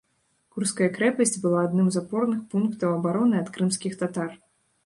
Курская крэпасць была адным з апорных пунктаў абароны ад крымскіх татар.